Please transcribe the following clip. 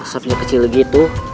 asapnya kecil gitu